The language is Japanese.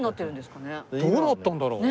どうなったんだろう？